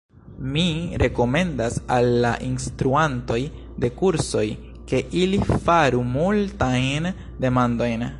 Mi rekomendas al la instruantoj de kursoj, ke, ili faru multajn demandojn.